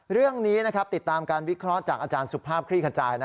เรื่องนี้ติดตามการวิเคราะห์จากอาจารย์สุภาพคลี่ขจาย